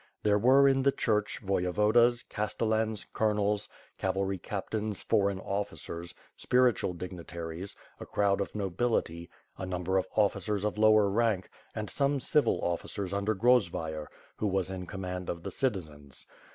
There were in the church, Voyevodas, castellans, colonels, cavalry captains, foreign officers, spiritual dignitaries, a crowd of nobility, a number of officers of lower rank, and some civil officers under Grozvayer, who was in conmiand of the citizens.